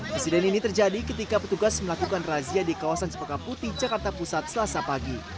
presiden ini terjadi ketika petugas melakukan razia di kawasan sepeka putih jakarta pusat selasa pagi